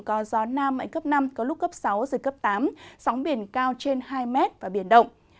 có gió nam mạnh cấp năm có lúc cấp sáu giật cấp tám sóng biển cao trên hai mét và biển động